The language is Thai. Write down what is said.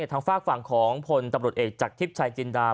ทางฝากฝั่งของพลตำรวจเอกจากทิพย์ชายจินดา